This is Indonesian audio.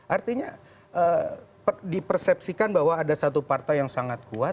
artinya dipersepsikan bahwa ada satu partai yang sangat kuat